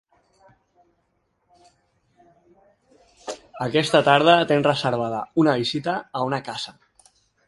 Aquesta tarda tens reservada una visita a una casa.